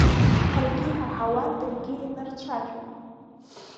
Ҳаргьы иҳаҳауан, даргьы еинарцәажәон.